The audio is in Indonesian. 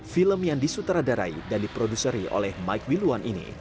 film yang disutradarai dan diproduseri oleh mike wilwan ini